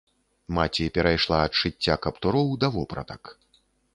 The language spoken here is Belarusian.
Маці перайшла ад шыцця каптуроў да вопратак.